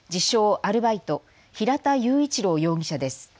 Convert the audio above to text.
アルバイト、平田雄一郎容疑者です。